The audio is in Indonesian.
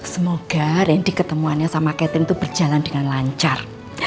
semoga ren ketemuannya sama catherine tuh berjalan dengan lancar